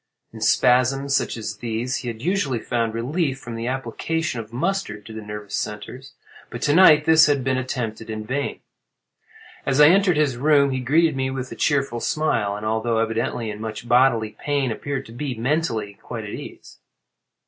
In spasms such as these he had usually found relief from the application of mustard to the nervous centres, but to night this had been attempted in vain. As I entered his room he greeted me with a cheerful smile, and although evidently in much bodily pain, appeared to be, mentally, quite at ease.